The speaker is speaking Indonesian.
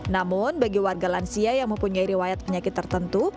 namun bagi warga lansia yang mempunyai riwayat penyakit tertentu